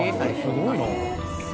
すごいな」